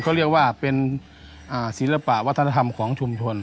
เขาเรียกว่าเป็นศิลปะวัฒนธรรมของชุมชน